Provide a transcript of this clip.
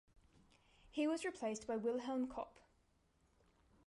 He was replaced by Wilhelm Koppe.